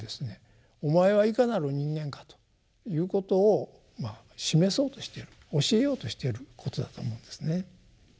「お前はいかなる人間か」ということを示そうとしている教えようとしていることだと思うんですね。